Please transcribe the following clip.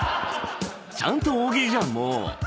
ちゃんと大喜利じゃんもう。